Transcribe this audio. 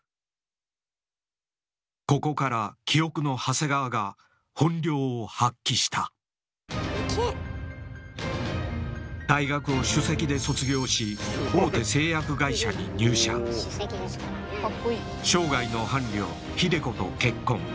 ここから「記憶の長谷川」が本領を発揮した大学を首席で卒業し生涯の伴侶秀子と結婚。